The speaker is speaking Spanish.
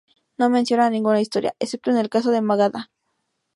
No menciona ninguna historia, excepto en el caso de Magadha.